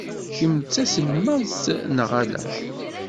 Kemm d taselmadt neɣ ala?